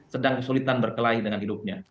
sedang kesulitan berkelahi dengan hidupnya